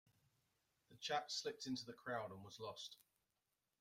The chap slipped into the crowd and was lost.